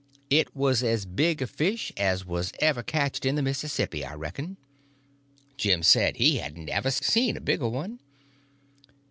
It was as big a fish as was ever catched in the Mississippi, I reckon. Jim said he hadn't ever seen a bigger one.